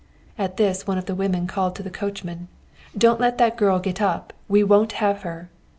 At this, one of the women called to the coachman: 'Don't let that girl get up, we won't have her.'